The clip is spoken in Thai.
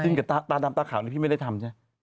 กับตาดำตาขาวนี่พี่ไม่ได้ทำใช่ไหม